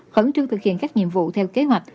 khẩn trương thực hiện các nhiệm vụ theo kế hoạch